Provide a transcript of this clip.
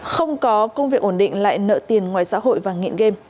không có công việc ổn định lại nợ tiền ngoài xã hội và nghiện game